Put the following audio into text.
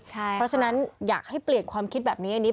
เพราะฉะนั้นอยากให้เปลี่ยนความคิดแบบนี้อันนี้